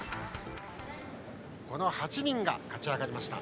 この８人が勝ち上がりました。